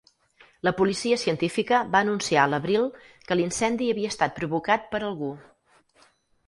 La policia científica va anunciar a l'abril que l'incendi havia estat provocat per algú.